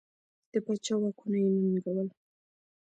د پاچا واکونه یې ننګول.